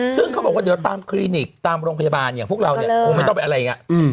ซึ่งเขาบอกว่าเดี๋ยวตามคลินิกตามโรงพยาบาลอย่างพวกเราเนี่ยคงไม่ต้องไปอะไรอย่างนี้